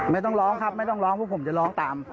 ไม่ต้องร้องครับไม่ต้องร้องพวกผมจะร้องตาม